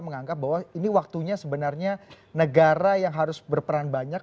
menganggap bahwa ini waktunya sebenarnya negara yang harus berperan banyak